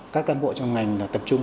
các can bộ trong ngành tập trung